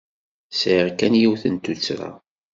Sɛiɣ kan yiwet n tuttra.